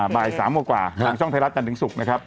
บ่าย๓กว่าทางช่องไทยรัฐจันทร์ถึงศุกร์นะครับ